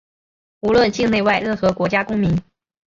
无论境内外、任何国家公民